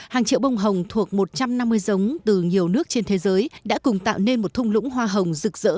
hàng triệu bông hồng thuộc một trăm năm mươi giống từ nhiều nước trên thế giới đã cùng tạo nên một thung lũng hoa hồng rực rỡ